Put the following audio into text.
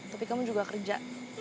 tapi kamu juga kerja